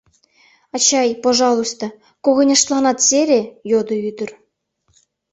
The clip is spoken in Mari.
— Ачай, пожалуйста, когыньыштланат сере, — йодо ӱдыр.